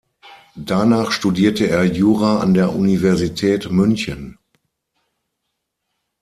Danach studierte er Jura an der Universität München.